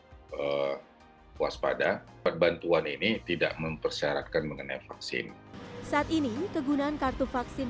untuk waspada perbantuan ini tidak mempersyaratkan mengenai vaksin saat ini kegunaan kartu vaksin